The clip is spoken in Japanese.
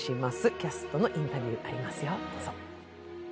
キャストのインタビュー、ありますよ。